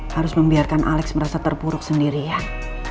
harus membiarkan alex merasa terpuruk sendirian